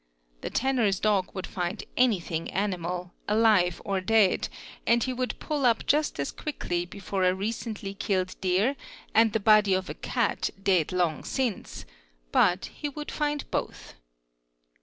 The tanner's dog would find anything animal, alive or dead, an he would pull up just as quickly before a recently killed deer and th body of a cat dead long since; but he would find both.